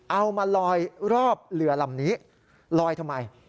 เอามาลอยรอบเรือลำนี้ลอยทำไม